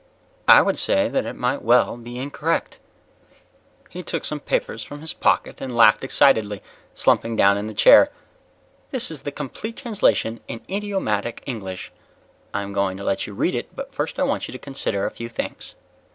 "I would say that it might well be incorrect." He took some papers from his pocket and laughed excitedly, slumping down in the chair. "This is the complete translation in idiomatic English. I'm going to let you read it, but first I want you to consider a few things."